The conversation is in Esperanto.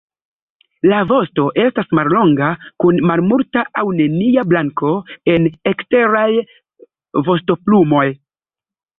La vosto estas mallonga kun malmulta aŭ nenia blanko en eksteraj vostoplumoj.